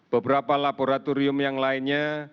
beberapa laboratorium yang lainnya